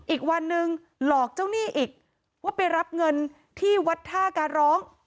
อีกวันหนึ่งหลอกเจ้าหนี้อีกว่าไปรับเงินที่วัดท่าการร้อง